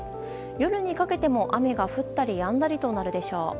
夜にかけても、雨が降ったりやんだりとなるでしょう。